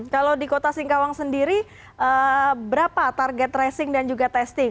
kalau di kota singkawang sendiri berapa target tracing dan juga testing